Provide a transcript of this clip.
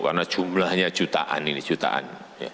karena jumlahnya jutaan ini jutaan